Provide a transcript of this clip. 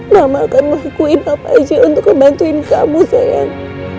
mama akan ngelakuin apa aja untuk ngebantuin kamu sayang